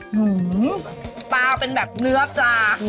หือปลาเป็นแบบเนื้อปลา